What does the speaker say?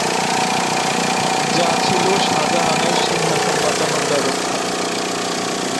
যা ছিল শাহজাহানের সিংহাসন বাঁচানোর ব্যবস্থা।